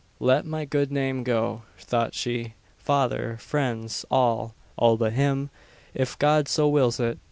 "Let my good name go!" thought she. "Father friends all all but him, if God so wills it!